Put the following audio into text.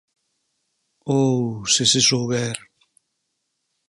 ¡Ouh, se se souber!